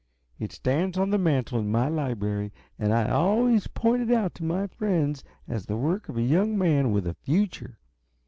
It stands on the mantel in my library, and I always point it out to my friends as the work of a young man with a future.